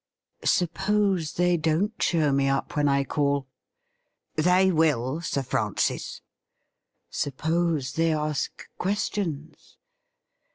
' Suppose they don't show me up when I call ?'' They will, Sir Francis.' ' Suppose they ask questions